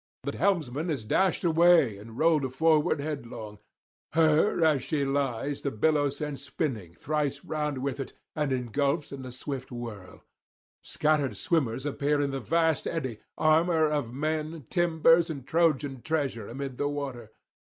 The helmsman is dashed away and rolled forward headlong; her as she lies the billow sends spinning thrice round with it, and engulfs in the swift whirl. Scattered swimmers appear in the vast eddy, armour of men, timbers and Trojan treasure amid the water.